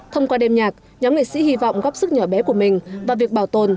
thông qua đêm nhạc nhóm nghệ sĩ hy vọng góp sức nhỏ bé của mình vào việc bảo tồn